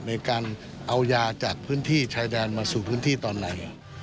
ในการเอายาจากพื้นที่ชายแดนมาสู่พื้นที่ตอนไหน